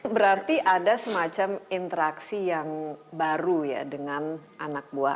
berarti ada semacam interaksi yang baru ya dengan anak buah